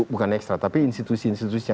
bukan ekstra tapi institusi institusinya